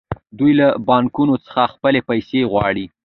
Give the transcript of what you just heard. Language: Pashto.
دوی له بانکونو څخه خپلې پیسې غواړي